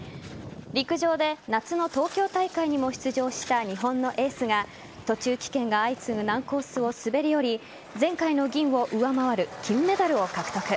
陸上で夏の東京大会にも出場した日本のエースが途中棄権が相次ぐ難コースを滑り降り前回の銀を上回る金メダルを獲得。